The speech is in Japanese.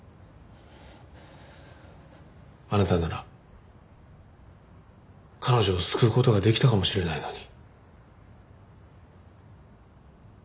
あなたなら彼女を救う事ができたかもしれないのに。